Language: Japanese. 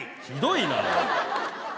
ひどいな。